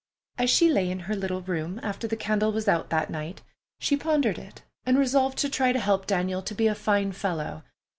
As she lay in her little room, after the candle was out that night, she pondered it, and resolved to try to help Daniel to be a fine fellow.